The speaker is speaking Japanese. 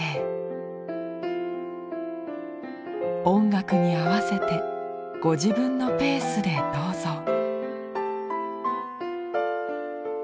音楽に合わせてご自分のペースでどうぞ。